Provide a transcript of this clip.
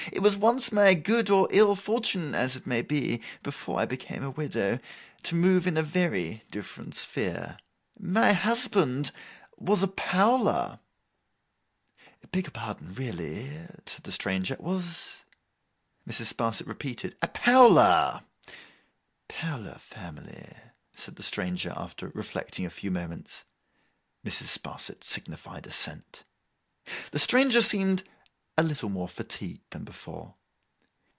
'It was once my good or ill fortune, as it may be—before I became a widow—to move in a very different sphere. My husband was a Powler.' 'Beg your pardon, really!' said the stranger. 'Was—?' Mrs. Sparsit repeated, 'A Powler.' 'Powler Family,' said the stranger, after reflecting a few moments. Mrs. Sparsit signified assent. The stranger seemed a little more fatigued than before.